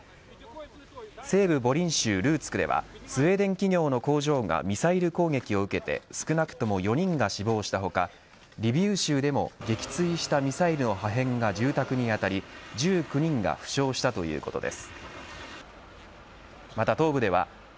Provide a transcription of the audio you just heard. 西部ボリン州ルーツクではスウェーデン企業の工場がミサイル攻撃を受けて少なくとも４人が死亡した他リビウ州でも撃墜したミサイルの破片が住宅に当たり１９人が負傷したということです。